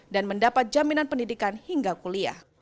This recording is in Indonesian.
dan mendapat jaminan pendidikan hingga kuliah